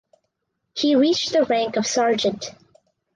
He reached the rank of sergeant.